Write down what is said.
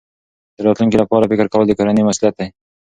د راتلونکي لپاره فکر کول د کورنۍ مسؤلیت دی.